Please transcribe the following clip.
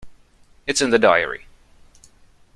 It's in the diary.